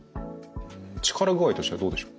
力具合としてはどうでしょうか？